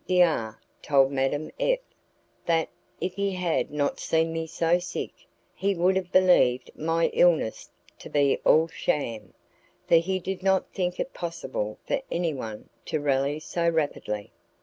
D R told Madame F that, if he had not seen me so sick, he would have believed my illness to be all sham, for he did not think it possible for anyone to rally so rapidly.